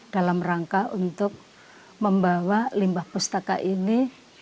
dalam rangka untuk membawa limbah pustaka ini